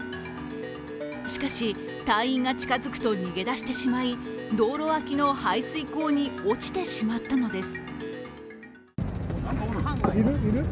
しかし、隊員が近づくと逃げ出してしまい、道路脇の排水溝に落ちてしまったのです。